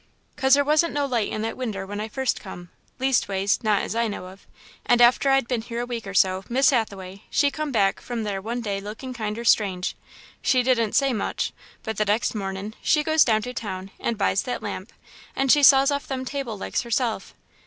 "'Cause there wasn't no light in that winder when I first come leastways, not as I know of and after I'd been here a week or so, Miss Hathaway, she come back from there one day looking kinder strange. She didn't say much; but the next mornin' she goes down to town and buys that lamp, and she saws off them table legs herself.